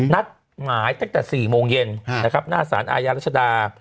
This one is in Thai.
นัดหมายตั้งแต่๔โมงเย็นนะครับหน้าสารอาญารัชดา